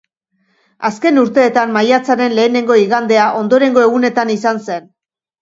Azken urteetan maiatzaren lehenengo igandea ondorengo egunetan izan zen.